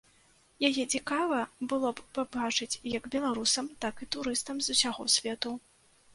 Яе цікава было б пабачыць як беларусам, так і турыстам з усяго свету.